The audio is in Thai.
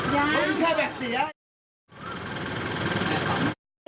ไม่ต้องไปติด